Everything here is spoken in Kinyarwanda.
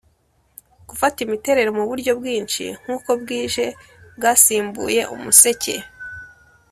gufata imiterere muburyo bwinshi, nkuko bwije bwasimbuye umuseke.